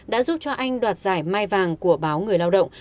đã giúp cho anh đoạt giải mai vàng của báo người lao động